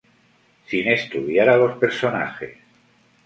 Sin estudiar a los personajes.